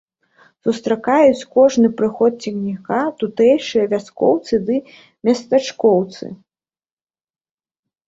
Сустракаюць кожны прыход цягніка тутэйшыя вяскоўцы ды местачкоўцы.